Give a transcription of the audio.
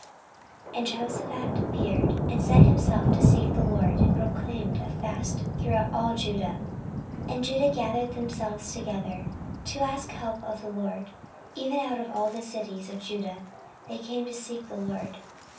14:020:003 And Jehoshaphat feared, and set himself to seek the LORD, and proclaimed a fast throughout all Judah. 14:020:004 And Judah gathered themselves together, to ask help of the LORD: even out of all the cities of Judah they came to seek the LORD.